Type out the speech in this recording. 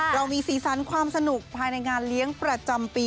เรามีสีสันความสนุกภายในงานเลี้ยงประจำปี